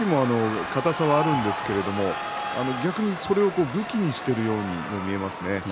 動きも硬さがあるんですが逆に武器にしているようにも見えますね。